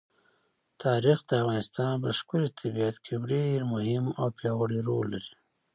تاریخ د افغانستان په ښکلي طبیعت کې یو ډېر مهم او پیاوړی رول لري.